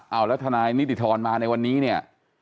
เอาละทางนายนิติธรณ์มาในวันนี้เนี่ย